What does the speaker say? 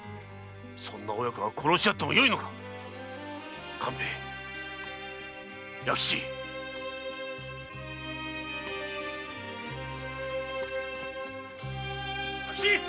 そんな親子が殺し合ってよいのか勘兵衛弥吉弥吉め組だぞ。